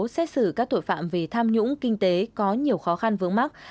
xét xử các tội phạm về tham nhũng kinh tế có nhiều khó khăn vướng mắt